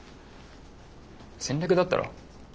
戦略だったろ？